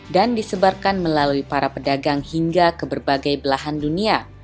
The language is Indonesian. dan disebarkan melalui para pedagang hingga ke berbagai belahan dunia